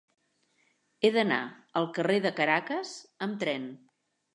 He d'anar al carrer de Caracas amb tren.